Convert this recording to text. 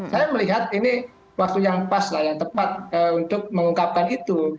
saya melihat ini waktu yang pas lah yang tepat untuk mengungkapkan itu